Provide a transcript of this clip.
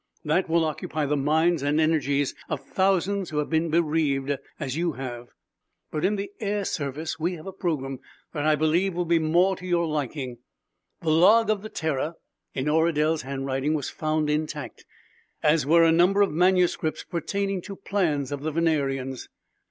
That will occupy the minds and energies of thousands who have been bereaved as you have. But, in the Air Service, we have a program that I believe will be more to your liking. The log of the Terror, in Oradel's handwriting, was found intact, as were a number of manuscripts pertaining to plans of the Venerians.